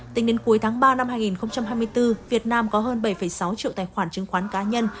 tính đến cuối tháng ba năm hai nghìn hai mươi bốn việt nam có hơn bảy sáu triệu tài khoản chứng khoán cá nhân